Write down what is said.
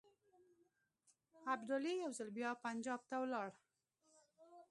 ابدالي یو ځل بیا پنجاب ته ولاړ.